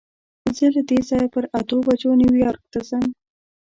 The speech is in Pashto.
زه له دې ځایه پر اتو بجو نیویارک ته ځم.